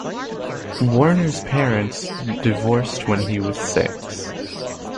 Warner's parents divorced when he was six.